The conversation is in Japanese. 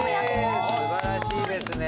すばらしいですね。